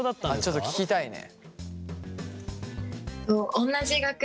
ちょっと聞きたいね。